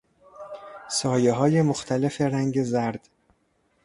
سایههای مختلف رنگ زرد